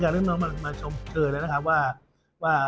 ได้เรื่องนั้นมาชมเชิญเลยนะครับว่า